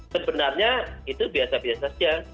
sebenarnya itu biasa biasa saja